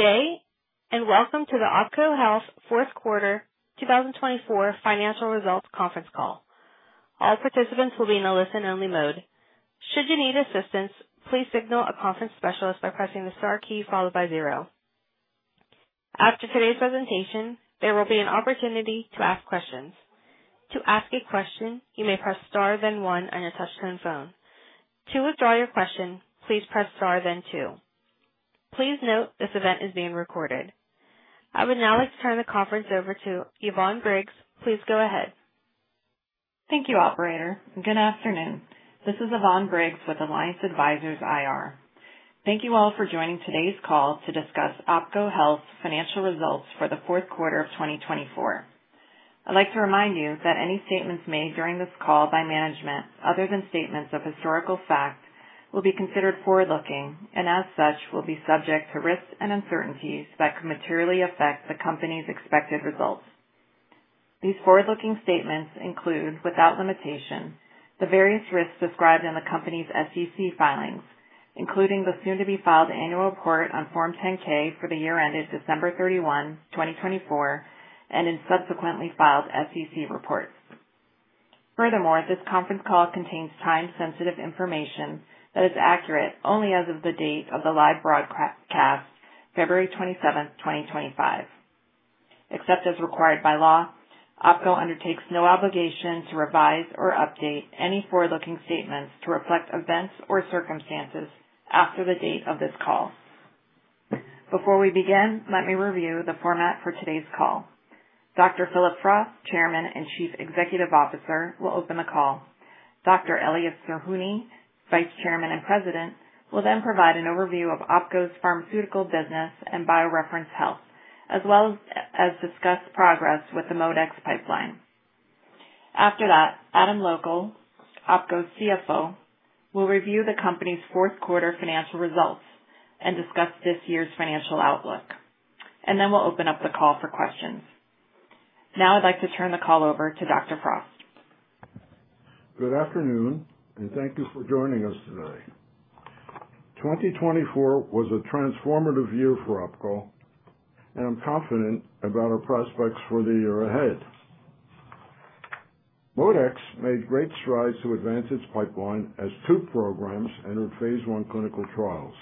Today, and welcome to the OPKO Health Fourth Quarter 2024 Financial Results Conference Call. All participants will be in a listen-only mode. Should you need assistance, please signal a conference specialist by pressing the star key followed by zero. After today's presentation, there will be an opportunity to ask questions. To ask a question, you may press star then one on your touchscreen phone. To withdraw your question, please press star then two. Please note this event is being recorded. I would now like to turn the conference over to Yvonne Briggs. Please go ahead. Thank you, Operator. Good afternoon. This is Yvonne Briggs with Alliance Advisors IR. Thank you all for joining today's call to discuss OPKO Health's financial results for the fourth quarter of 2024. I'd like to remind you that any statements made during this call by management, other than statements of historical fact, will be considered forward-looking and, as such, will be subject to risks and uncertainties that could materially affect the company's expected results. These forward-looking statements include, without limitation, the various risks described in the company's SEC filings, including the soon-to-be-filed annual report on Form 10-K for the year ended December 31, 2024, and in subsequently filed SEC reports. Furthermore, this conference call contains time-sensitive information that is accurate only as of the date of the live broadcast, February 27, 2025. Except as required by law, OPKO undertakes no obligation to revise or update any forward-looking statements to reflect events or circumstances after the date of this call. Before we begin, let me review the format for today's call. Dr. Phillip Frost, Chairman and Chief Executive Officer, will open the call. Dr. Elias Zerhouni, Vice Chairman and President, will then provide an overview of OPKO's pharmaceutical business and BioReference Health, as well as discuss progress with the ModeX pipeline. After that, Adam Logal, OPKO's CFO, will review the company's fourth quarter financial results and discuss this year's financial outlook, and then we'll open up the call for questions. Now I'd like to turn the call over to Dr. Frost. Good afternoon, and thank you for joining us today. 2024 was a transformative year for OPKO, and I'm confident about our prospects for the year ahead. ModeX made great strides to advance its pipeline as two programs entered phase I clinical trials.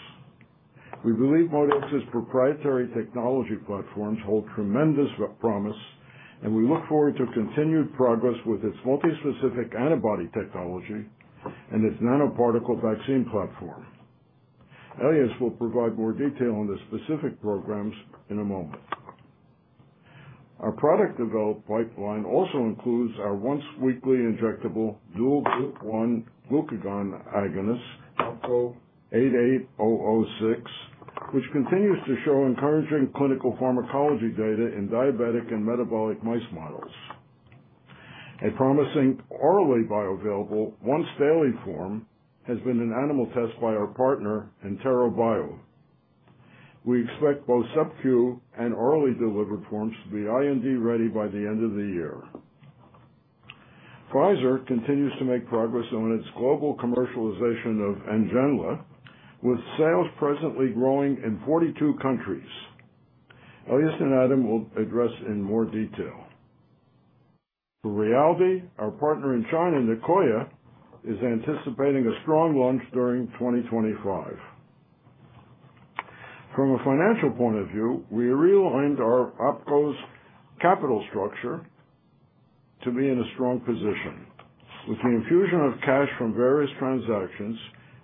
We believe ModeX's proprietary technology platforms hold tremendous promise, and we look forward to continued progress with its multispecific antibody technology and its nanoparticle vaccine platform. Elias will provide more detail on the specific programs in a moment. Our product development pipeline also includes our once-weekly injectable dual GLP-1/glucagon agonist, OPKO 88006, which continues to show encouraging clinical pharmacology data in diabetic and metabolic mice models. A promising orally bioavailable once-daily form has been in animal tests by our partner EnteraBio. We expect both sub-Q and orally delivered forms to be IND-ready by the end of the year. Pfizer continues to make progress on its global commercialization of NGENLA, with sales presently growing in 42 countries. Elias and Adam will address in more detail. For RAYALDEE, our partner in China, Nicoya, is anticipating a strong launch during 2025. From a financial point of view, we realigned our OPKO's capital structure to be in a strong position. With the infusion of cash from various transactions,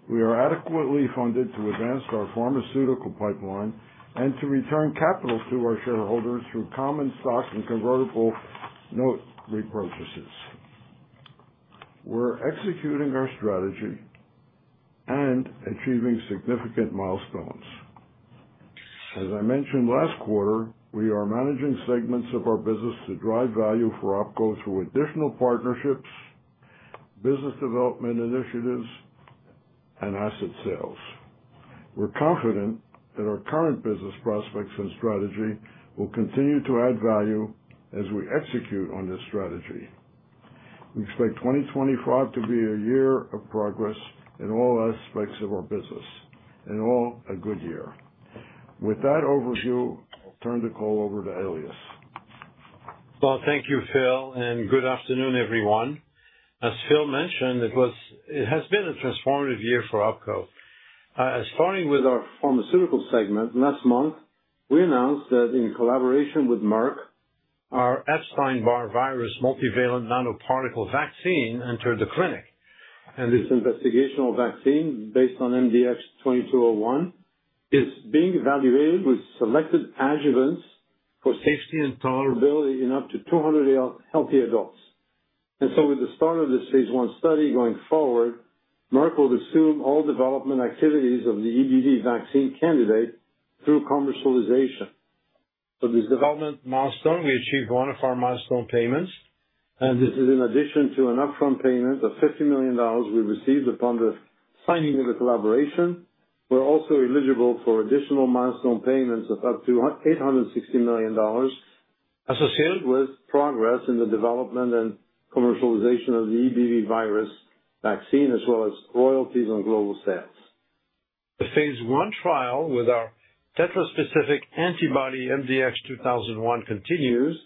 we are adequately funded to advance our pharmaceutical pipeline and to return capital to our shareholders through common stock and convertible note repurchases. We're executing our strategy and achieving significant milestones. As I mentioned last quarter, we are managing segments of our business to drive value for OPKO through additional partnerships, business development initiatives, and asset sales. We're confident that our current business prospects and strategy will continue to add value as we execute on this strategy. We expect 2025 to be a year of progress in all aspects of our business, and all a good year. With that overview, I'll turn the call over to Elias. Thank you, Phil, and good afternoon, everyone. As Phil mentioned, it has been a transformative year for OPKO. Starting with our pharmaceutical segment, last month, we announced that in collaboration with Merck, our Epstein-Barr virus multivalent nanoparticle vaccine entered the clinic. This investigational vaccine, based on MDX-2201, is being evaluated with selected adjuvants for safety and tolerability in up to 200 healthy adults. With the start of this phase I study going forward, Merck will assume all development activities of the EBV vaccine candidate through commercialization. For this development milestone, we achieved one of our milestone payments, and this is in addition to an upfront payment of $50 million we received upon the signing of the collaboration. We're also eligible for additional milestone payments of up to $860 million associated with progress in the development and commercialization of the EBV virus vaccine, as well as royalties on global sales. The phase I trial with our tetra-specific antibody MDX2001 continues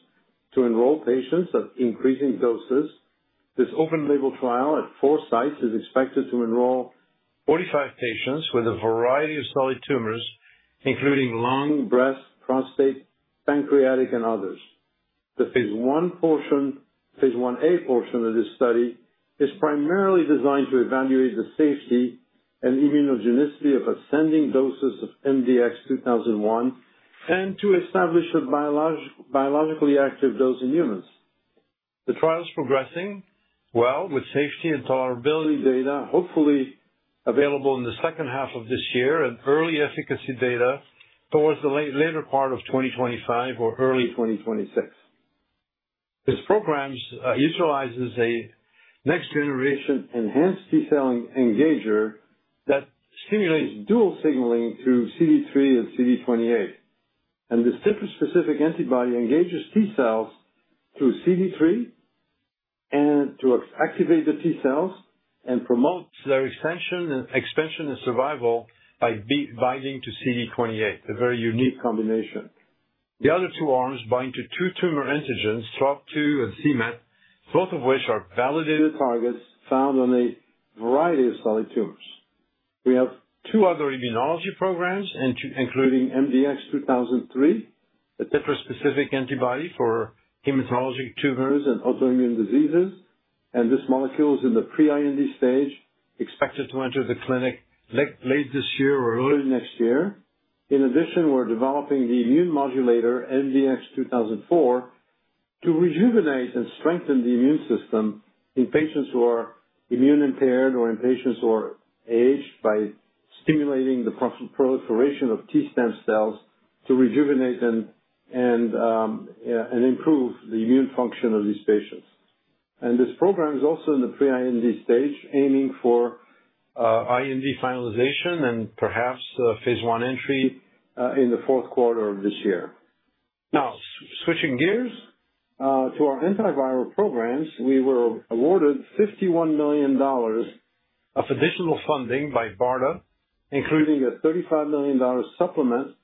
to enroll patients at increasing doses. This open-label trial at four sites is expected to enroll 45 patients with a variety of solid tumors, including lung, breast, prostate, pancreatic, and others. The phase I portion, phase I A portion of this study, is primarily designed to evaluate the safety and immunogenicity of ascending doses of MDX2001 and to establish a biologically active dose in humans. The trial's progressing well with safety and tolerability data, hopefully available in the second half of this year and early efficacy data towards the later part of 2025 or early 2026. This program utilizes a next-generation enhanced T cell engager that stimulates dual signaling to CD3 and CD28. This tetra-specific antibody engages T cells through CD3 to activate the T cells and promote their extension and survival by binding to CD28, a very unique combination. The other two arms bind to two tumor antigens, TROP2 and cMET, both of which are validated targets found on a variety of solid tumors. We have two other immunology programs, including MDX2003, a tetra-specific antibody for hematologic tumors and autoimmune diseases, and this molecule is in the pre-IND stage, expected to enter the clinic late this year or early next year. In addition, we're developing the immune modulator MDX2004 to rejuvenate and strengthen the immune system in patients who are immune impaired or in patients who are aged by stimulating the proliferation of T-strand cells to rejuvenate and improve the immune function of these patients. This program is also in the pre-IND stage, aiming for IND finalization and perhaps phase I entry in the fourth quarter of this year. Now, switching gears to our antiviral programs, we were awarded $51 million of additional funding by BARDA, including a $35 million supplement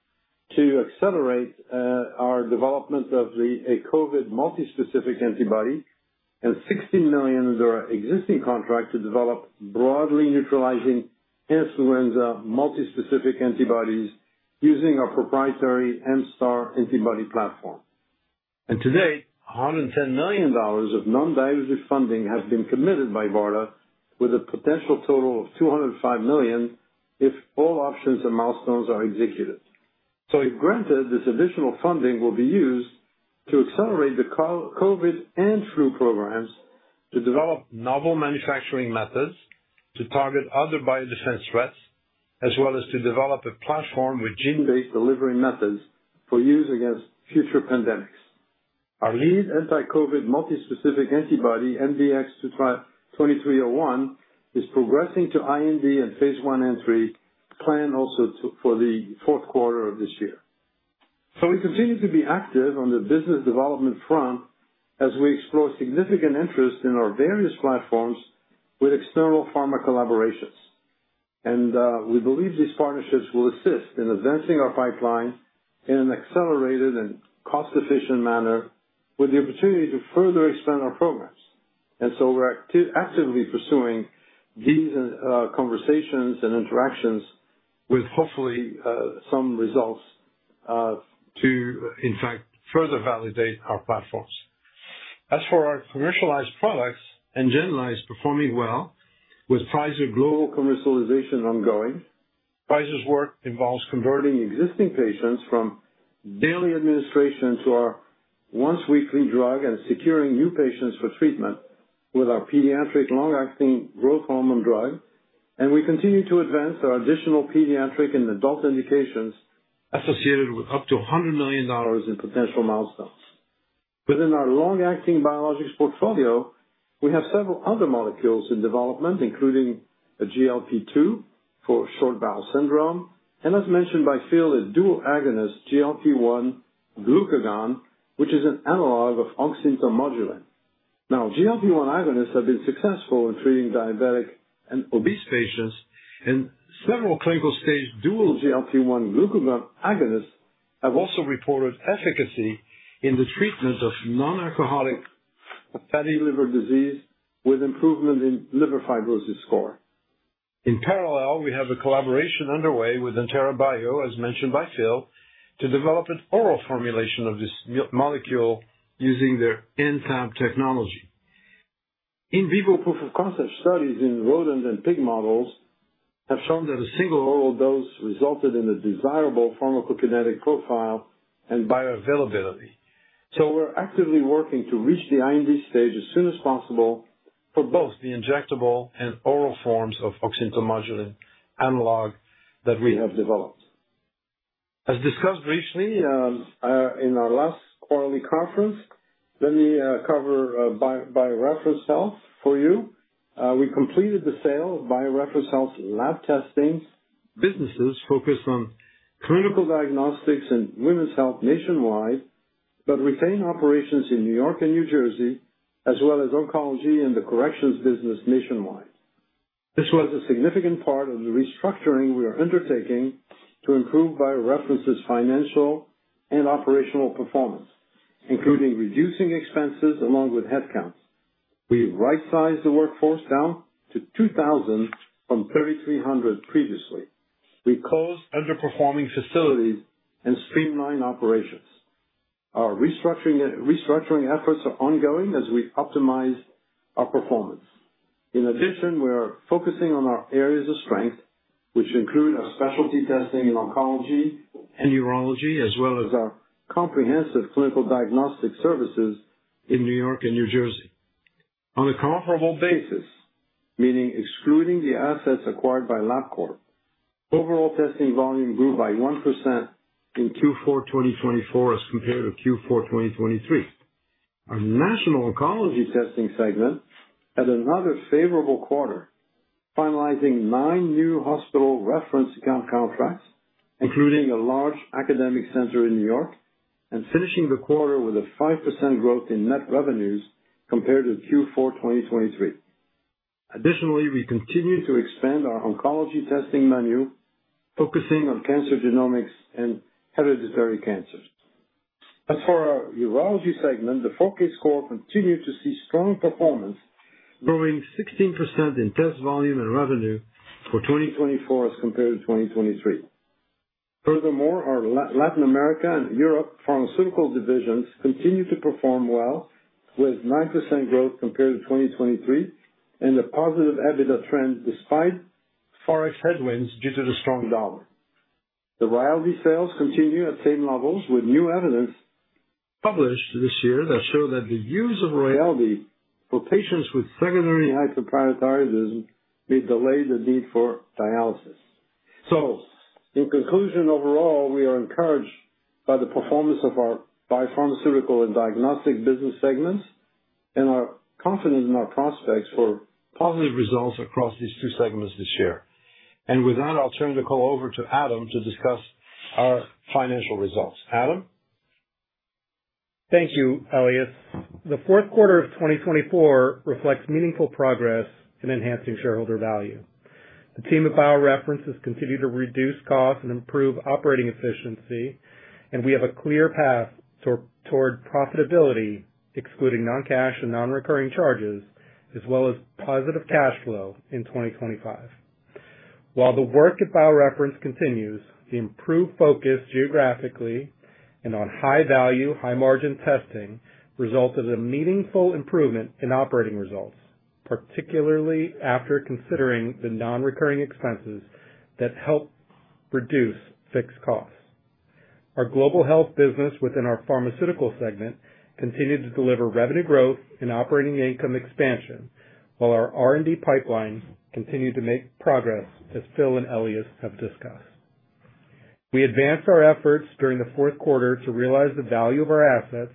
to accelerate our development of a COVID multispecific antibody and $16 million in our existing contract to develop broadly neutralizing influenza multispecific antibodies using our proprietary MSTAR antibody platform. To date, $110 million of non-dilutive funding has been committed by BARDA, with a potential total of $205 million if all options and milestones are executed. Granted, this additional funding will be used to accelerate the COVID and flu programs to develop novel manufacturing methods to target other biodefense threats, as well as to develop a platform with gene-based delivery methods for use against future pandemics. Our lead anti-COVID multispecific antibody MDX-2301 is progressing to IND and phase I entry planned also for the fourth quarter of this year. We continue to be active on the business development front as we explore significant interest in our various platforms with external pharma collaborations. We believe these partnerships will assist in advancing our pipeline in an accelerated and cost-efficient manner, with the opportunity to further expand our programs. We are actively pursuing these conversations and interactions with, hopefully, some results to, in fact, further validate our platforms. As for our commercialized products, NGENLA is performing well with Pfizer global commercialization ongoing. Pfizer's work involves converting existing patients from daily administration to our once-weekly drug and securing new patients for treatment with our pediatric long-acting growth hormone drug. We continue to advance our additional pediatric and adult indications associated with up to $100 million in potential milestones. Within our long-acting biologics portfolio, we have several other molecules in development, including a GLP-2 for short bowel syndrome, and as mentioned by Phil, a dual agonist GLP-1 glucagon, which is an analog of auxintimodulin. Now, GLP-1 agonists have been successful in treating diabetic and obese patients, and several clinical stage dual GLP-1 glucagon agonists have also reported efficacy in the treatment of non-alcoholic fatty liver disease with improvement in liver fibrosis score. In parallel, we have a collaboration underway with EnteraBio, as mentioned by Phil, to develop an oral formulation of this molecule using their nTab technology. In vivo proof-of-concept studies in rodent and pig models have shown that a single oral dose resulted in a desirable pharmacokinetic profile and bioavailability. We are actively working to reach the IND stage as soon as possible for both the injectable and oral forms of auxintimodulin analog that we have developed. As discussed briefly in our last quarterly conference, let me cover BioReference Health for you. We completed the sale of BioReference Health lab testing businesses focused on clinical diagnostics and women's health nationwide but retained operations in New York and New Jersey, as well as oncology and the corrections business nationwide. This was a significant part of the restructuring we are undertaking to improve BioReference's financial and operational performance, including reducing expenses along with headcounts. We right-sized the workforce down to 2,000 from 3,300 previously. We closed underperforming facilities and streamlined operations. Our restructuring efforts are ongoing as we optimize our performance. In addition, we are focusing on our areas of strength, which include our specialty testing in oncology and urology, as well as our comprehensive clinical diagnostic services in New York and New Jersey. On a comparable basis, meaning excluding the assets acquired by Labcorp, overall testing volume grew by 1% in Q4 2024 as compared to Q4 2023. Our national oncology testing segment had another favorable quarter, finalizing nine new hospital reference account contracts, including a large academic center in New York, and finishing the quarter with a 5% growth in net revenues compared to Q4 2023. Additionally, we continue to expand our oncology testing menu, focusing on cancer genomics and hereditary cancers. As for our urology segment, the 4Kscore continued to see strong performance, growing 16% in test volume and revenue for 2024 as compared to 2023. Furthermore, our Latin America and Europe pharmaceutical divisions continue to perform well, with 9% growth compared to 2023 and a positive EBITDA trend despite forex headwinds due to the strong dollar. The royalty sales continue at same levels, with new evidence published this year that showed that the use of royalty for patients with secondary hyperparathyroidism may delay the need for dialysis. In conclusion, overall, we are encouraged by the performance of our biopharmaceutical and diagnostic business segments and are confident in our prospects for positive results across these two segments this year. With that, I'll turn the call over to Adam to discuss our financial results. Adam. Thank you, Elias. The fourth quarter of 2024 reflects meaningful progress in enhancing shareholder value. The team at BioReference continues to reduce costs and improve operating efficiency, and we have a clear path toward profitability, excluding non-cash and non-recurring charges, as well as positive cash flow in 2025. While the work at BioReference continues, the improved focus geographically and on high-value, high-margin testing resulted in a meaningful improvement in operating results, particularly after considering the non-recurring expenses that help reduce fixed costs. Our global health business within our pharmaceutical segment continued to deliver revenue growth and operating income expansion, while our R&D pipeline continued to make progress, as Phil and Elias have discussed. We advanced our efforts during the fourth quarter to realize the value of our assets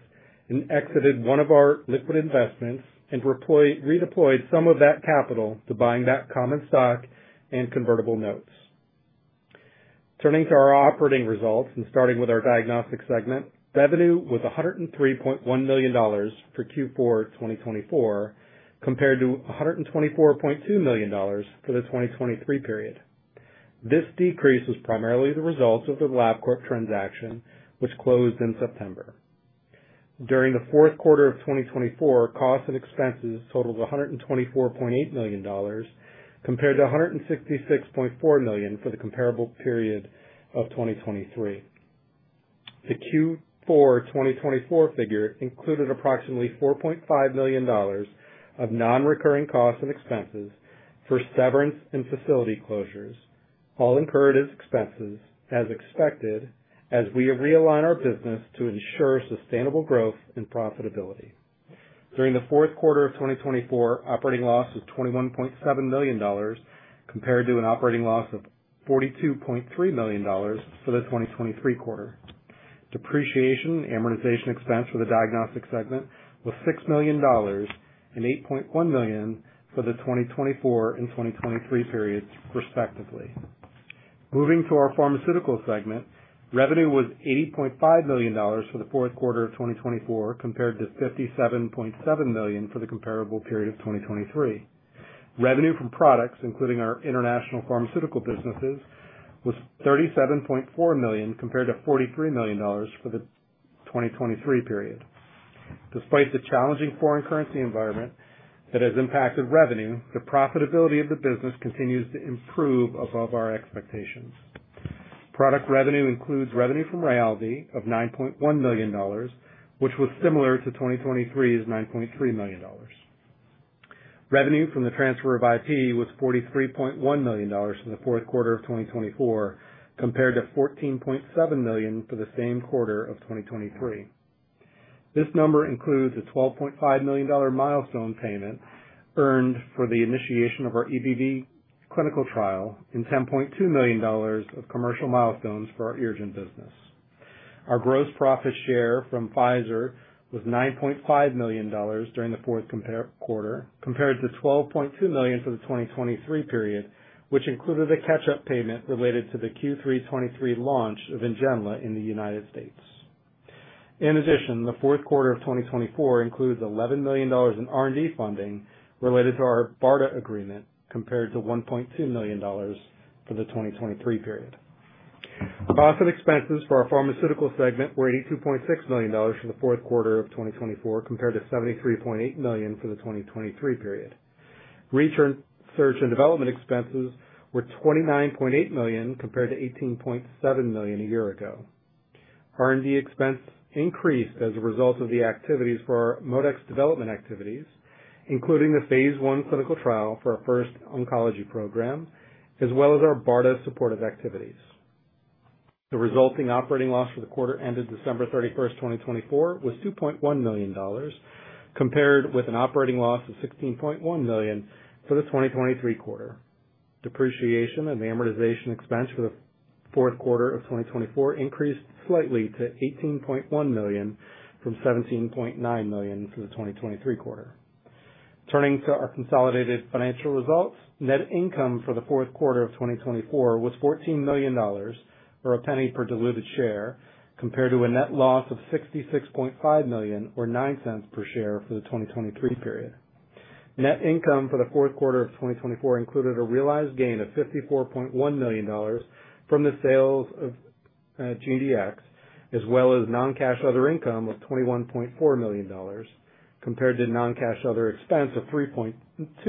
and exited one of our liquid investments and redeployed some of that capital to buying back common stock and convertible notes. Turning to our operating results and starting with our diagnostic segment, revenue was $103.1 million for Q4 2024 compared to $124.2 million for the 2023 period. This decrease was primarily the result of the Labcorp transaction, which closed in September. During the fourth quarter of 2024, costs and expenses totaled $124.8 million compared to $166.4 million for the comparable period of 2023. The Q4 2024 figure included approximately $4.5 million of non-recurring costs and expenses for severance and facility closures, all incurred as expected, as we have realigned our business to ensure sustainable growth and profitability. During the fourth quarter of 2024, operating loss was $21.7 million compared to an operating loss of $42.3 million for the 2023 quarter. Depreciation and amortization expense for the diagnostic segment was $6 million and $8.1 million for the 2024 and 2023 periods, respectively. Moving to our pharmaceutical segment, revenue was $80.5 million for the fourth quarter of 2024 compared to $57.7 million for the comparable period of 2023. Revenue from products, including our international pharmaceutical businesses, was $37.4 million compared to $43 million for the 2023 period. Despite the challenging foreign currency environment that has impacted revenue, the profitability of the business continues to improve above our expectations. Product revenue includes revenue from royalty of $9.1 million, which was similar to 2023's $9.3 million. Revenue from the transfer of IP was $43.1 million for the fourth quarter of 2024 compared to $14.7 million for the same quarter of 2023. This number includes a $12.5 million milestone payment earned for the initiation of our EBV clinical trial and $10.2 million of commercial milestones for our irrigent business. Our gross profit share from Pfizer was $9.5 million during the fourth quarter compared to $12.2 million for the 2023 period, which included a catch-up payment related to the Q3 2023 launch of NGENLA in the United States. In addition, the fourth quarter of 2024 includes $11 million in R&D funding related to our BARDA agreement compared to $1.2 million for the 2023 period. Costs and expenses for our pharmaceutical segment were $82.6 million for the fourth quarter of 2024 compared to $73.8 million for the 2023 period. Research and development expenses were $29.8 million compared to $18.7 million a year ago. R&D expense increased as a result of the activities for our ModeX development activities, including the phase I clinical trial for our first oncology program, as well as our BARDA supportive activities. The resulting operating loss for the quarter ended December 31, 2024, was $2.1 million compared with an operating loss of $16.1 million for the 2023 quarter. Depreciation and amortization expense for the fourth quarter of 2024 increased slightly to $18.1 million from $17.9 million for the 2023 quarter. Turning to our consolidated financial results, net income for the fourth quarter of 2024 was $14 million or a penny per diluted share compared to a net loss of $66.5 million or 9 cents per share for the 2023 period. Net income for the fourth quarter of 2024 included a realized gain of $54.1 million from the sales of GDX, as well as non-cash other income of $21.4 million compared to non-cash other expense of $3.2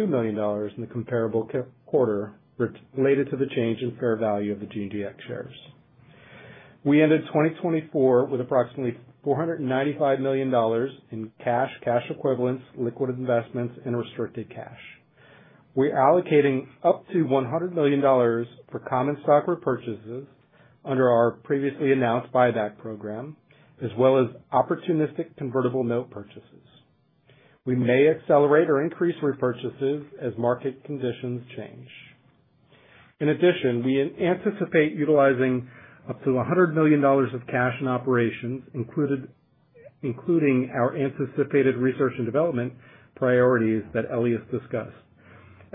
million in the comparable quarter related to the change in fair value of the GDX shares. We ended 2024 with approximately $495 million in cash, cash equivalents, liquid investments, and restricted cash. We're allocating up to $100 million for common stock repurchases under our previously announced buyback program, as well as opportunistic convertible note purchases. We may accelerate or increase repurchases as market conditions change. In addition, we anticipate utilizing up to $100 million of cash and operations, including our anticipated research and development priorities that Elias discussed.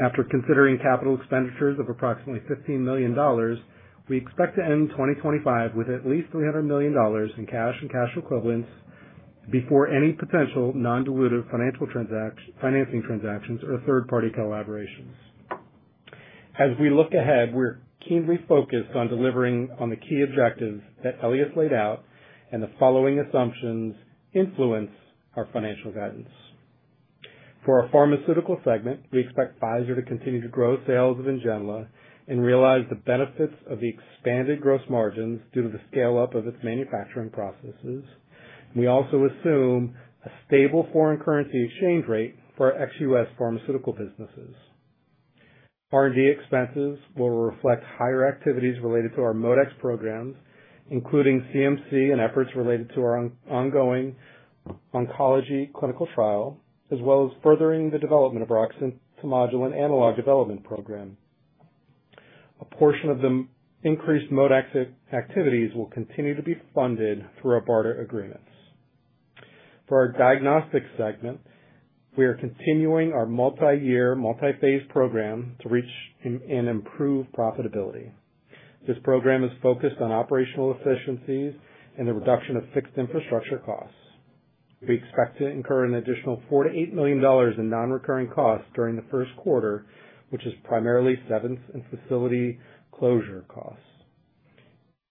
After considering capital expenditures of approximately $15 million, we expect to end 2025 with at least $300 million in cash and cash equivalents before any potential non-dilutive financing transactions or third-party collaborations. As we look ahead, we're keenly focused on delivering on the key objectives that Elias laid out and the following assumptions influence our financial guidance. For our pharmaceutical segment, we expect Pfizer to continue to grow sales of NGENLA and realize the benefits of the expanded gross margins due to the scale-up of its manufacturing processes. We also assume a stable foreign currency exchange rate for our ex-US pharmaceutical businesses. R&D expenses will reflect higher activities related to our ModeX programs, including CMC and efforts related to our ongoing oncology clinical trial, as well as furthering the development of our auxintimodulin analog development program. A portion of the increased ModeX activities will continue to be funded through our BARDA agreements. For our diagnostic segment, we are continuing our multi-year, multi-phase program to reach and improve profitability. This program is focused on operational efficiencies and the reduction of fixed infrastructure costs. We expect to incur an additional $4-$8 million in non-recurring costs during the first quarter, which is primarily severance and facility closure costs.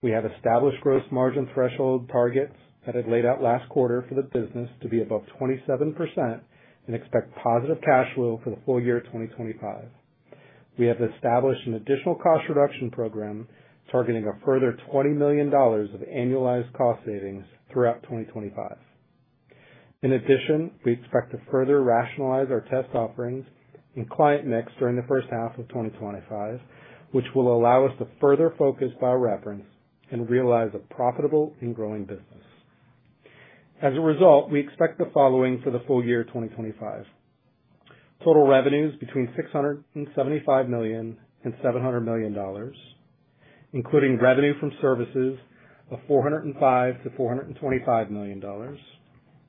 We have established gross margin threshold targets that had laid out last quarter for the business to be above 27% and expect positive cash flow for the full year 2025. We have established an additional cost reduction program targeting a further $20 million of annualized cost savings throughout 2025. In addition, we expect to further rationalize our test offerings and client mix during the first half of 2025, which will allow us to further focus BioReference and realize a profitable and growing business. As a result, we expect the following for the full year 2025: total revenues between $675 million and $700 million, including revenue from services of $405-$425 million,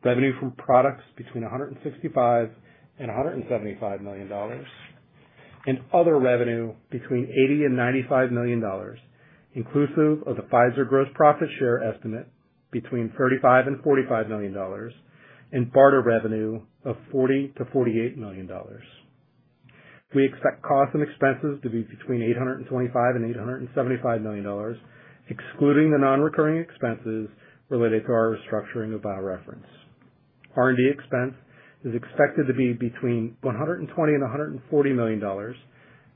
revenue from products between $165-$175 million, and other revenue between $80-$95 million, inclusive of the Pfizer gross profit share estimate between $35-$45 million, and BARDA revenue of $40-$48 million. We expect costs and expenses to be between $825 million and $875 million, excluding the non-recurring expenses related to our restructuring of BioReference. R&D expense is expected to be between $120 million and $140 million,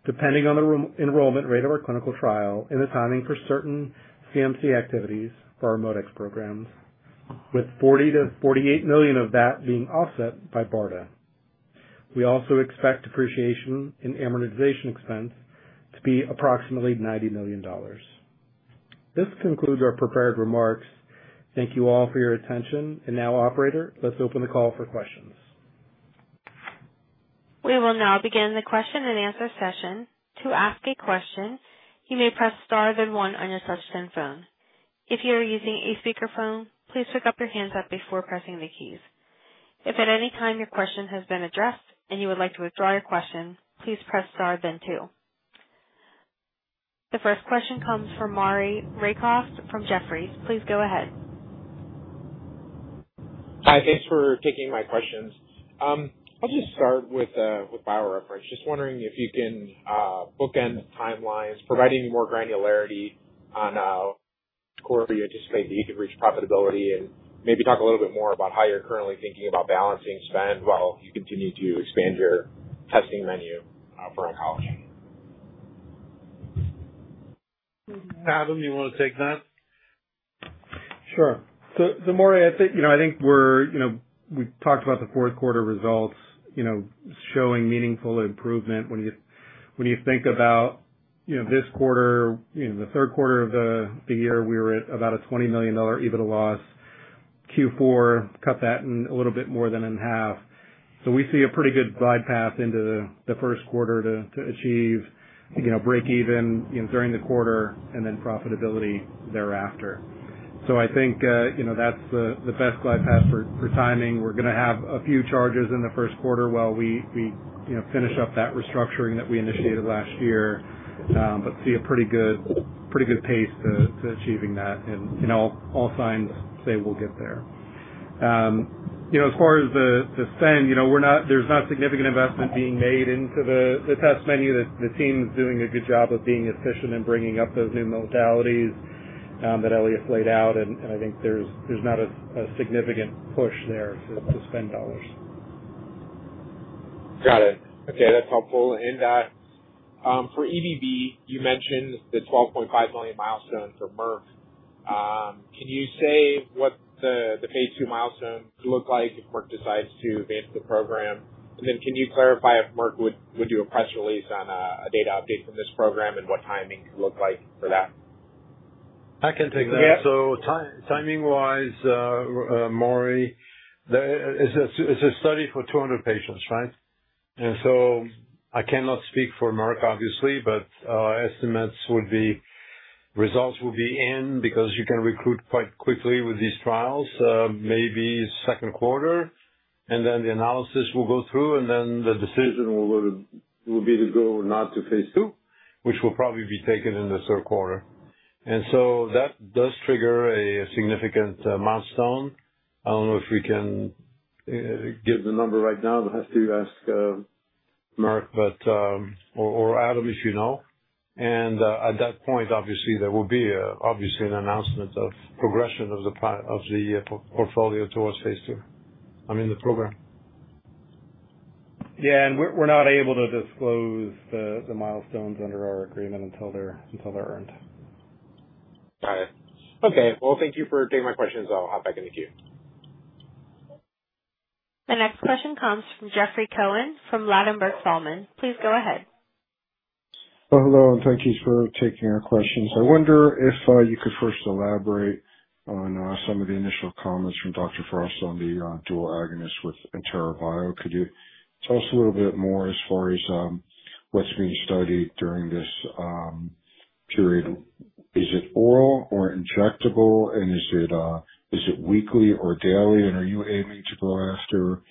depending on the enrollment rate of our clinical trial and the timing for certain CMC activities for our ModeX programs, with $40 million to $48 million of that being offset by BARDA. We also expect depreciation and amortization expense to be approximately $90 million. This concludes our prepared remarks. Thank you all for your attention. Now, operator, let's open the call for questions. We will now begin the question and answer session. To ask a question, you may press star then one on your touchscreen phone. If you are using a speakerphone, please hook your hands up before pressing the keys. If at any time your question has been addressed and you would like to withdraw your question, please press star then two. The first question comes from Maury Raycroft from Jefferies. Please go ahead. Hi. Thanks for taking my questions. I'll just start with BioReference. Just wondering if you can bookend the timelines, provide any more granularity on where you anticipate that you can reach profitability and maybe talk a little bit more about how you're currently thinking about balancing spend while you continue to expand your testing menu for oncology. Adam, you want to take that? Sure. Maury, I think we talked about the fourth quarter results showing meaningful improvement. When you think about this quarter, the third quarter of the year, we were at about a $20 million EBITDA loss. Q4 cut that a little bit more than in half. We see a pretty good glide path into the first quarter to achieve break-even during the quarter and then profitability thereafter. I think that's the best glide path for timing. We're going to have a few charges in the first quarter while we finish up that restructuring that we initiated last year, but see a pretty good pace to achieving that. All signs say we'll get there. As far as the spend, there's not significant investment being made into the test menu. The team's doing a good job of being efficient in bringing up those new modalities that Elias laid out. I think there's not a significant push there to spend dollars. Got it. Okay. That's helpful. For EBV, you mentioned the $12.5 million milestone for Merck. Can you say what the phase II milestone could look like if Merck decides to advance the program? Can you clarify if Merck would do a press release on a data update from this program and what timing could look like for that? I can take that. Timing-wise, Maury, it is a study for 200 patients, right? I cannot speak for Merck, obviously, but estimates would be—results would be in because you can recruit quite quickly with these trials, maybe second quarter. The analysis will go through, and the decision will be to go or not to phase II, which will probably be taken in the third quarter. That does trigger a significant milestone. I do not know if we can give the number right now. We will have to ask Merck or Adam if you know. At that point, obviously, there will be obviously an announcement of progression of the portfolio towards phase II, I mean, the program. Yeah. We're not able to disclose the milestones under our agreement until they're earned. Got it. Okay. Thank you for taking my questions. I'll hop back into Q. The next question comes from Jeffrey Cohen from Ladenburg Thalmann. Please go ahead. Hello. Thank you for taking our questions. I wonder if you could first elaborate on some of the initial comments from Dr. Frost on the dual agonist with EnteraBio. Could you tell us a little bit more as far as what is being studied during this period? Is it oral or injectable, and is it weekly or daily? Are you aiming to go after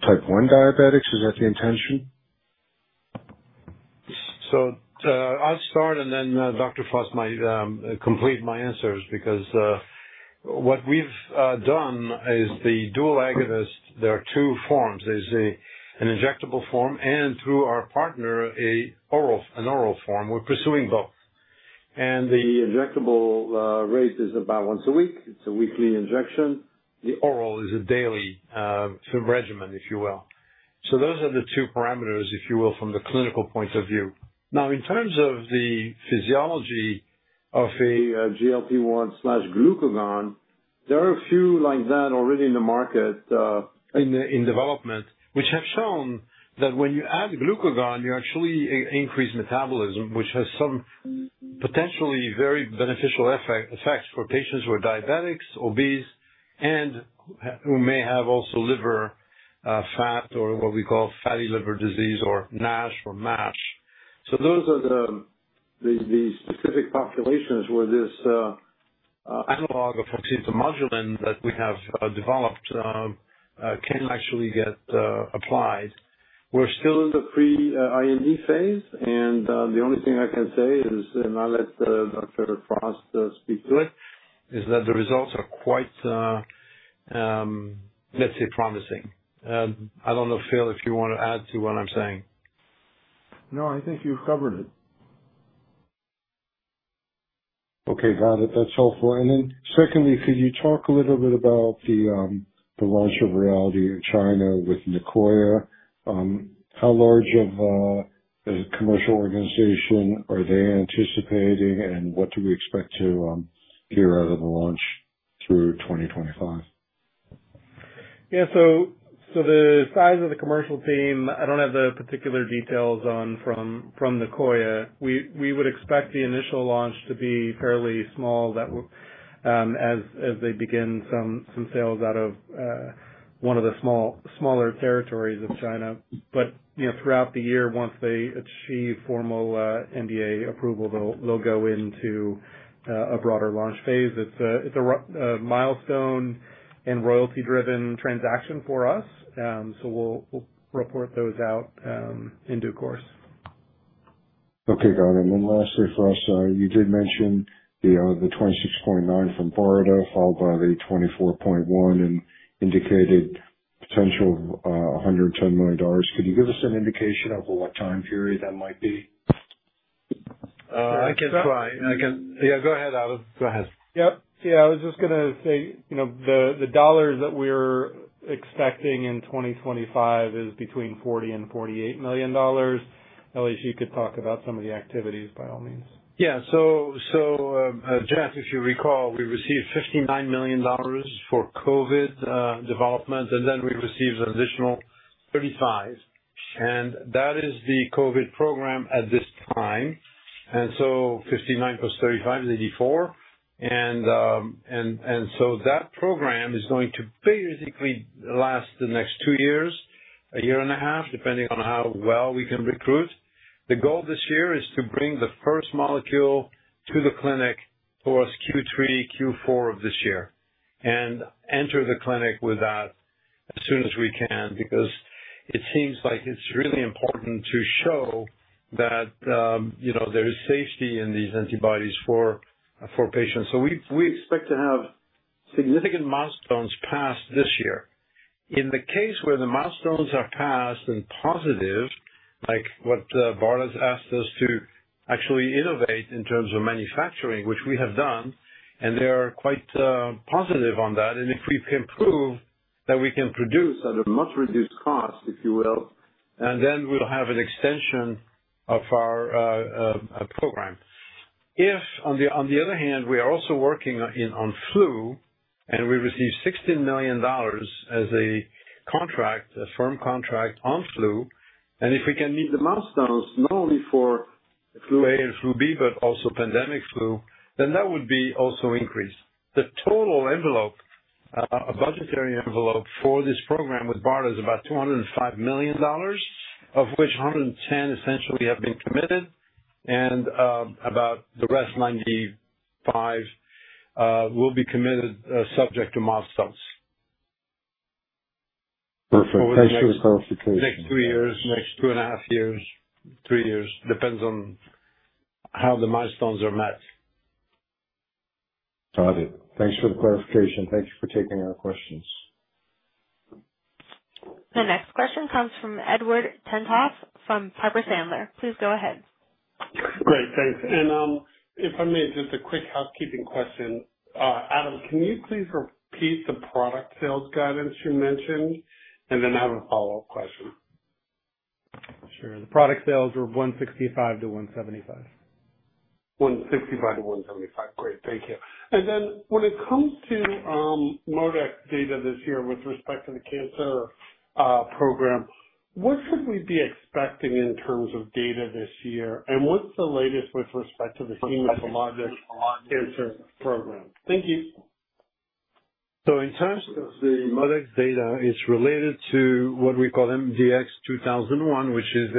type 1 diabetics? Is that the intention? I'll start, and then Dr. Frost might complete my answers because what we've done is the dual agonist, there are two forms. There's an injectable form and, through our partner, an oral form. We're pursuing both. The injectable rate is about once a week. It's a weekly injection. The oral is a daily regimen, if you will. Those are the two parameters, if you will, from the clinical point of view. Now, in terms of the physiology of a GLP-1/glucagon, there are a few like that already in the market, in development, which have shown that when you add glucagon, you actually increase metabolism, which has some potentially very beneficial effects for patients who are diabetics, obese, and who may have also liver fat or what we call fatty liver disease or NASH or MASH. Those are the specific populations where this analog of auxin to modulin that we have developed can actually get applied. We're still in the pre-IND phase, and the only thing I can say is, and I'll let Dr. Frost speak to it, is that the results are quite, let's say, promising. I don't know, Phil, if you want to add to what I'm saying. No, I think you've covered it. Okay. Got it. That's helpful. Could you talk a little bit about the launch of RAYALDEE in China with Nicoya? How large of a commercial organization are they anticipating, and what do we expect to hear out of the launch through 2025? Yeah. The size of the commercial team, I don't have the particular details on from Nicoya. We would expect the initial launch to be fairly small as they begin some sales out of one of the smaller territories of China. Throughout the year, once they achieve formal NDA approval, they'll go into a broader launch phase. It's a milestone and royalty-driven transaction for us. We'll report those out in due course. Okay. Got it. Lastly, Frost, you did mention the $26.9 million from BARDA, followed by the $24.1 million, and indicated potential $110 million. Could you give us an indication of what time period that might be? I can try. Yeah. Go ahead, Adam. Go ahead. Yep. Yeah. I was just going to say the dollars that we're expecting in 2025 is between $40 million and $48 million. Elias, you could talk about some of the activities, by all means. Yeah. So Jeff, if you recall, we received $59 million for COVID development, and then we received an additional $35 million. That is the COVID program at this time. So $59 million plus $35 million is $84 million. That program is going to basically last the next two years, a year and a half, depending on how well we can recruit. The goal this year is to bring the first molecule to the clinic towards Q3, Q4 of this year and enter the clinic with that as soon as we can because it seems like it's really important to show that there is safety in these antibodies for patients. We expect to have significant milestones passed this year. In the case where the milestones are passed and positive, like what BARDA has asked us to actually innovate in terms of manufacturing, which we have done, and they are quite positive on that. If we can prove that we can produce at a much reduced cost, if you will, then we'll have an extension of our program. If, on the other hand, we are also working on flu and we receive $16 million as a contract, a firm contract on flu, and if we can meet the milestones not only for flu A and flu B, but also pandemic flu, then that would be also increased. The total envelope, a budgetary envelope for this program with BARDA, is about $205 million, of which 110 essentially have been committed, and about the rest, 95, will be committed subject to milestones. Perfect. Thanks for the clarification. Next two years, next two and a half years, three years. Depends on how the milestones are met. Got it. Thanks for the clarification. Thank you for taking our questions. The next question comes from Edward Tenthoff from Piper Sandler. Please go ahead. Great. Thanks. If I may, just a quick housekeeping question. Adam, can you please repeat the product sales guidance you mentioned? I have a follow-up question. Sure. The product sales were $165 million-$175 million. 165 to 175. Great. Thank you. When it comes to ModeX data this year with respect to the cancer program, what should we be expecting in terms of data this year? What's the latest with respect to the hematologic cancer program? Thank you. In terms of the ModeX data, it's related to what we call MDX2001, which is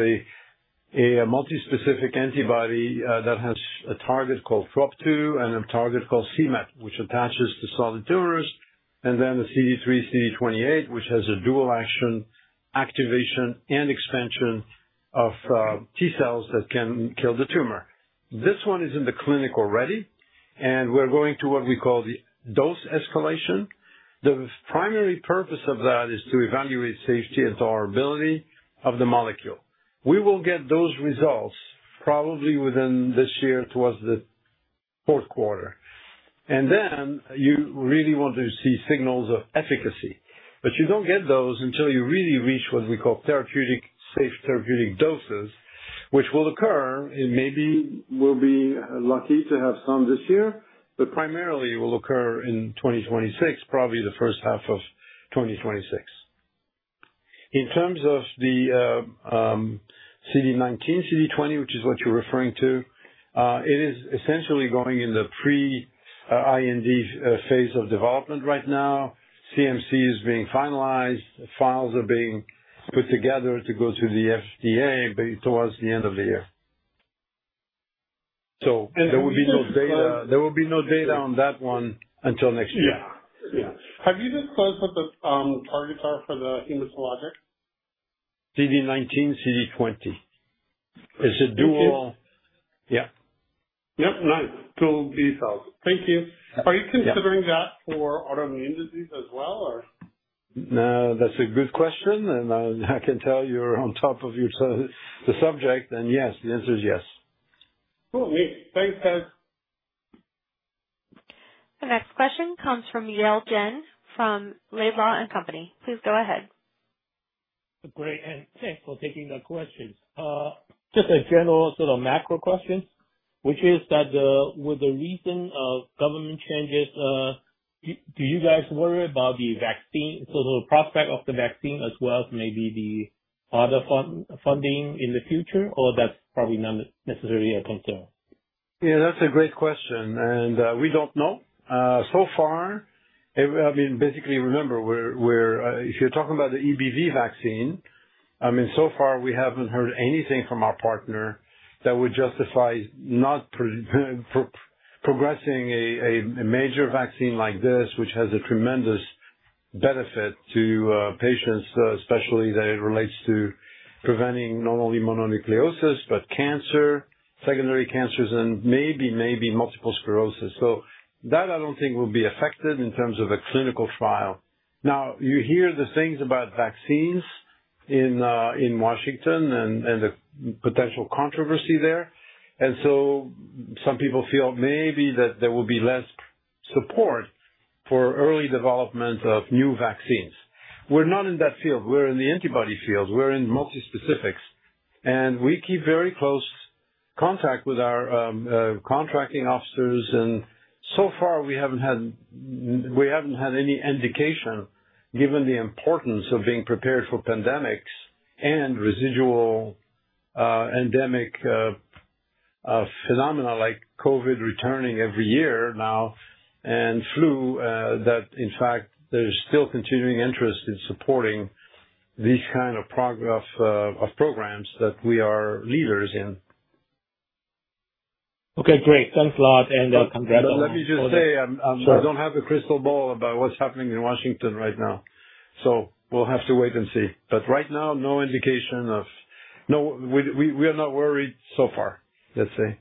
a multispecific antibody that has a target called TROP2 and a target called cMET, which attaches to solid tumors, and then the CD3, CD28, which has a dual-action activation and expansion of T cells that can kill the tumor. This one is in the clinic already, and we're going to what we call the dose escalation. The primary purpose of that is to evaluate safety and tolerability of the molecule. We will get those results probably within this year towards the fourth quarter. You really want to see signals of efficacy. You do not get those until you really reach what we call safe therapeutic doses, which will occur. It maybe we'll be lucky to have some this year, but primarily it will occur in 2026, probably the first half of 2026. In terms of the CD19, CD20, which is what you're referring to, it is essentially going in the pre-IND phase of development right now. CMC is being finalized. Files are being put together to go to the FDA towards the end of the year. There will be no data, there will be no data on that one until next year. Yeah. Yeah. Have you disclosed what the targets are for the hematologic? CD19, CD20. It's a dual—yeah. Yep. Nice. Dual B cells. Thank you. Are you considering that for autoimmune disease as well, or? No, that's a good question. I can tell you're on top of the subject, then yes, the answer is yes. Cool. Neat. Thanks, guys. The next question comes from Yale Jen from Laidlaw & Company. Please go ahead. Great. Thanks for taking the questions. Just a general sort of macro question, which is that with the recent government changes, do you guys worry about the vaccine, so the prospect of the vaccine as well as maybe the other funding in the future, or that's probably not necessarily a concern? Yeah. That's a great question. We don't know. So far, I mean, basically, remember, if you're talking about the EBV vaccine, I mean, so far, we haven't heard anything from our partner that would justify not progressing a major vaccine like this, which has a tremendous benefit to patients, especially that it relates to preventing not only mononucleosis but cancer, secondary cancers, and maybe multiple sclerosis. That, I don't think, will be affected in terms of a clinical trial. You hear the things about vaccines in Washington and the potential controversy there. Some people feel maybe that there will be less support for early development of new vaccines. We're not in that field. We're in the antibody field. We're in multispecifics. We keep very close contact with our contracting officers. So far, we haven't had any indication, given the importance of being prepared for pandemics and residual endemic phenomena like COVID returning every year now and flu, that in fact, there's still continuing interest in supporting these kinds of programs that we are leaders in. Okay. Great. Thanks a lot. Congrats on that. Let me just say, I don't have a crystal ball about what's happening in Washington right now. We'll have to wait and see. Right now, no indication of—we are not worried so far, let's say.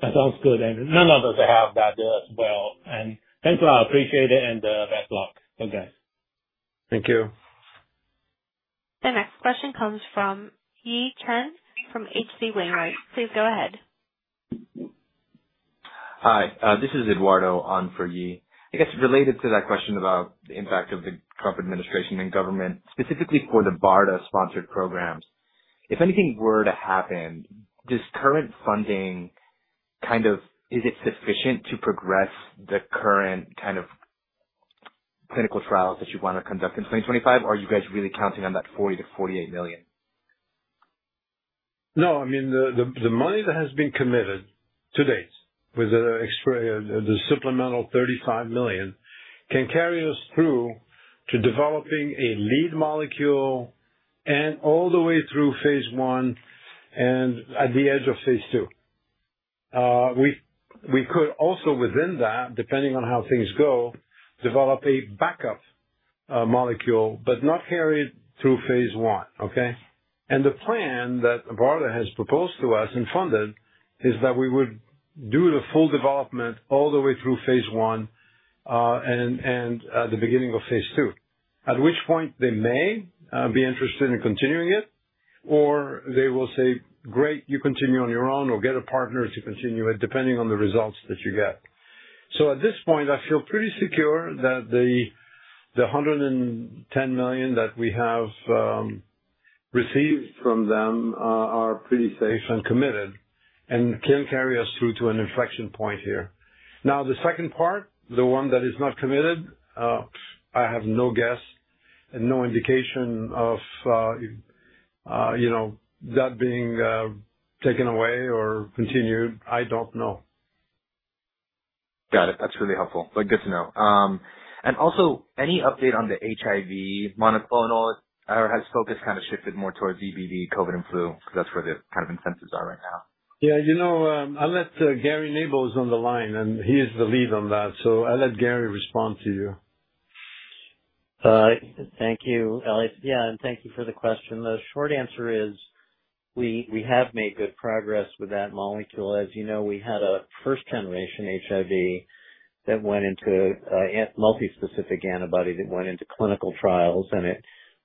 That sounds good. None of us have that as well. Thanks a lot. Appreciate it. Best of luck. Thank you. Thank you. The next question comes from Ye Chen from H.C. Wainwright. Please go ahead. Hi. This is Eduardo on for Ye. I guess related to that question about the impact of the Trump administration and government, specifically for the BARDA-sponsored programs, if anything were to happen, does current funding kind of—is it sufficient to progress the current kind of clinical trials that you want to conduct in 2025, or are you guys really counting on that $40-$48 million? No. I mean, the money that has been committed to date with the supplemental $35 million can carry us through to developing a lead molecule and all the way through phase I and at the edge of phase II. We could also, within that, depending on how things go, develop a backup molecule but not carry it through phase I. Okay? The plan that BARDA has proposed to us and funded is that we would do the full development all the way through phase I and at the beginning of phase II, at which point they may be interested in continuing it, or they will say, "Great. You continue on your own or get a partner to continue it," depending on the results that you get. At this point, I feel pretty secure that the $110 million that we have received from them are pretty safe and committed and can carry us through to an inflection point here. Now, the second part, the one that is not committed, I have no guess and no indication of that being taken away or continued. I don't know. Got it. That's really helpful. Good to know. Also, any update on the HIV monoclonal or has focus kind of shifted more towards EBV, COVID, and flu? Because that's where the kind of incentives are right now. Yeah. I'll let Gary Nabel's on the line, and he is the lead on that. So I'll let Gary respond to you. Thank you, Elias. Yeah. Thank you for the question. The short answer is we have made good progress with that molecule. As you know, we had a first-generation HIV that went into multispecific antibody that went into clinical trials, and it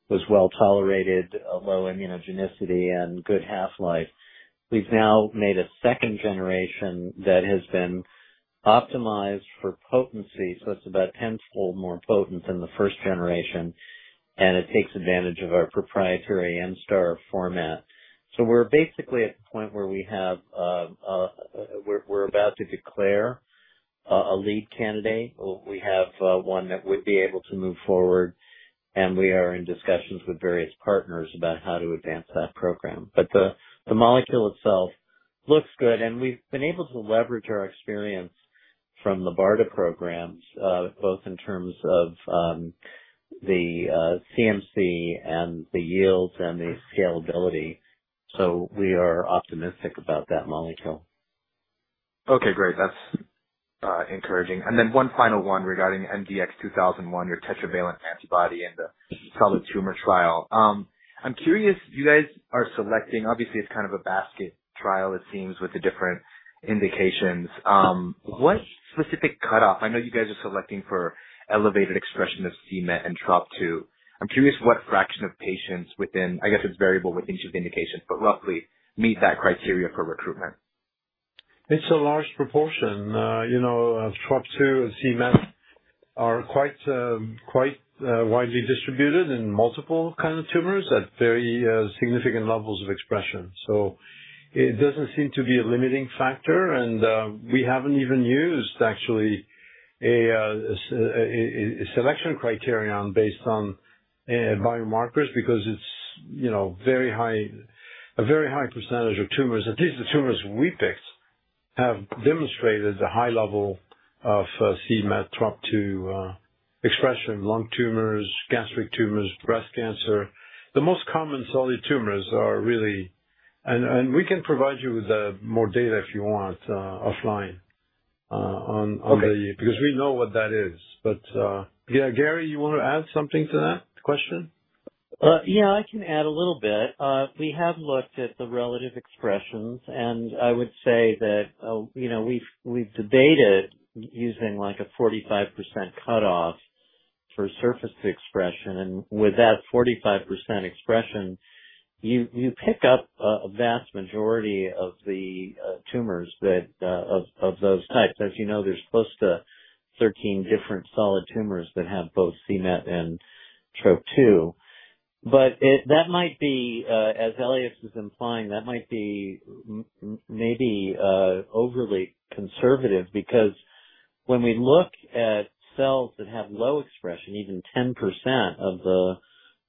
was well tolerated, low immunogenicity, and good half-life. We have now made a second generation that has been optimized for potency. It is about 10-fold more potent than the first generation, and it takes advantage of our proprietary MSTAR format. We are basically at the point where we are about to declare a lead candidate. We have one that would be able to move forward, and we are in discussions with various partners about how to advance that program. The molecule itself looks good, and we have been able to leverage our experience from the BARDA programs, both in terms of the CMC and the yields and the scalability. We are optimistic about that molecule. Okay. Great. That's encouraging. One final one regarding MDX2001, your tetravalent antibody and the solid tumor trial. I'm curious, you guys are selecting—obviously, it's kind of a basket trial, it seems, with the different indications. What specific cutoff? I know you guys are selecting for elevated expression of cMET and TROP2. I'm curious what fraction of patients within—I guess it's variable with each of the indications, but roughly meet that criteria for recruitment. It's a large proportion. TROP2 and cMET are quite widely distributed in multiple kinds of tumors at very significant levels of expression. It does not seem to be a limiting factor. We have not even used, actually, a selection criterion based on biomarkers because it is a very high percentage of tumors. At least the tumors we picked have demonstrated a high level of cMET, TROP2 expression, lung tumors, gastric tumors, breast cancer. The most common solid tumors are really, and we can provide you with more data if you want offline on the, because we know what that is. Yeah, Gary, you want to add something to that question? Yeah. I can add a little bit. We have looked at the relative expressions, and I would say that we've debated using a 45% cutoff for surface expression. With that 45% expression, you pick up a vast majority of the tumors of those types. As you know, there's close to 13 different solid tumors that have both cMET and TROP2. That might be, as Elias is implying, maybe overly conservative because when we look at cells that have low expression, even 10% of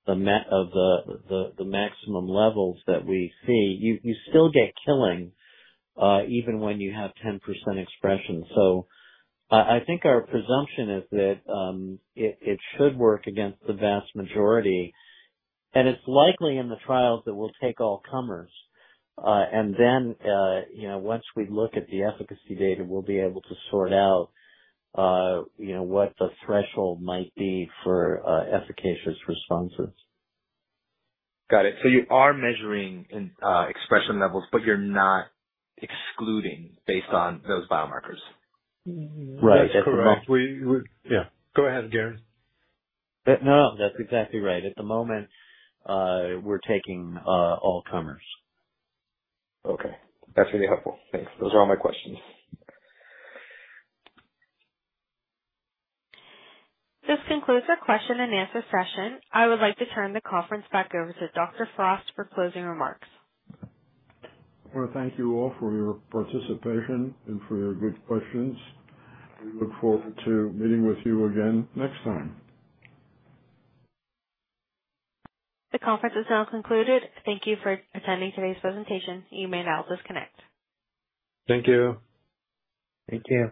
the maximum levels that we see, you still get killing even when you have 10% expression. I think our presumption is that it should work against the vast majority. It's likely in the trials that we'll take all comers. Once we look at the efficacy data, we'll be able to sort out what the threshold might be for efficacious responses. Got it. You are measuring expression levels, but you're not excluding based on those biomarkers. Right. That's correct. Yeah. Go ahead, Gary. No, no. That's exactly right. At the moment, we're taking all comers. Okay. That's really helpful. Thanks. Those are all my questions. This concludes our question-and-answer session. I would like to turn the conference back over to Dr. Frost for closing remarks. Thank you all for your participation and for your good questions. We look forward to meeting with you again next time. The conference is now concluded. Thank you for attending today's presentation. You may now disconnect. Thank you. Thank you.